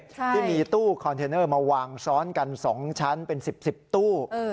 ที่มีตู้คอนเทนเนอร์มาวางซ้อนกัน๒ชั้นเป็น๑๐๑๐ตู้